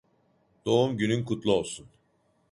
Doğumgünün kutlu olsun.